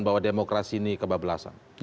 bahwa demokrasi ini kebablasan